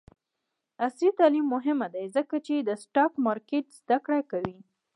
عصري تعلیم مهم دی ځکه چې د سټاک مارکیټ زدکړه کوي.